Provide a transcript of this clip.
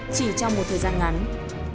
chỉ trong một thời gian ngàn năm